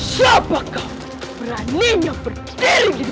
siapa kau berani nyamper diri di depan